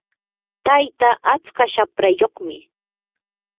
tayta atska shaprayuqmi.